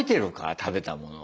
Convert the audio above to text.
食べたものを。